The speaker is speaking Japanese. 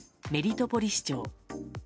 メリトポリ市長。